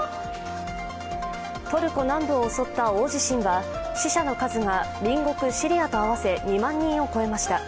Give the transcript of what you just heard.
トルコ南部を襲った大地震は死者の数が隣国シリアと合わせ２万人を超えました。